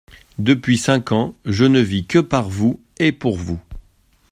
Depuis cinq ans, je ne vis que par vous et pour vous.